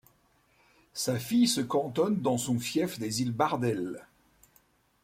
Sa fille se cantonne dans son fief des Iles Bardel.